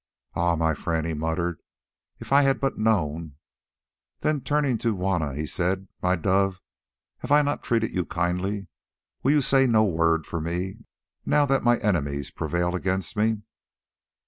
"Ah! my friend," he muttered, "if I had but known!" Then turning to Juanna he said: "My dove, have I not treated you kindly? Will you say no word for me, now that my enemies prevail against me?"